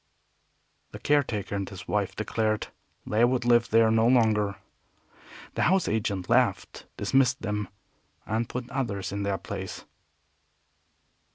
The caretaker and his wife declared they would live there no longer. The house agent laughed, dismissed them, and put others in their place.